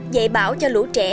dạy bảo cho lũ trẻ